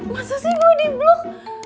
masa sih gue di blok